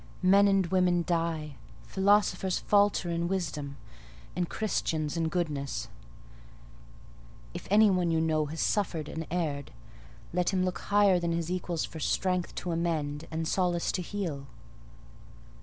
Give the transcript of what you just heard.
Men and women die; philosophers falter in wisdom, and Christians in goodness: if any one you know has suffered and erred, let him look higher than his equals for strength to amend and solace to heal."